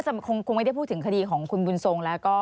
คงไม่ได้พูดถึงคดีของคุณบุญทรงแล้วก็